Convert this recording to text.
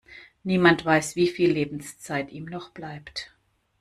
Niemand weiß, wie viel Lebenszeit ihm noch bleibt.